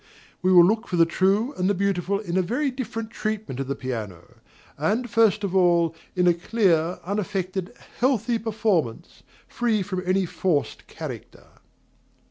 We will look for the true and the beautiful in a very different treatment of the piano; and, first of all, in a clear, unaffected, healthy performance, free from any forced character.